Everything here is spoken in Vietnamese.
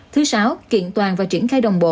thứ sáu kiện toàn và triển khai đồng bộ